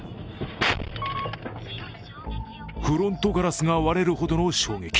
フロントガラスが割れるほどの衝撃。